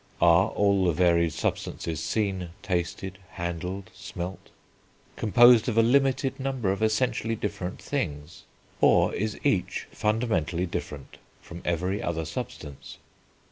Are all the varied substances seen, tasted, handled, smelt, composed of a limited number of essentially different things; or, is each fundamentally different from every other substance?